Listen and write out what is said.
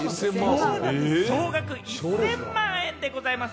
総額１０００万円でございます。